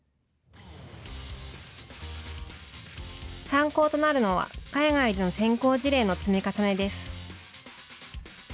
参考となるのは海外での先行事例の積み重ねです。